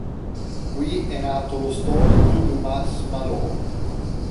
Qui è nato lo storico Dumas Malone.